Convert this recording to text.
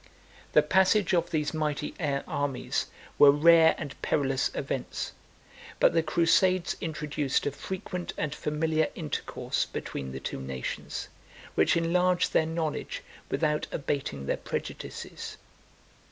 The passage of these mighty armies were rare and perilous events; but the crusades introduced a frequent and familiar intercourse between the two nations, which enlarged their knowledge without abating their prejudices.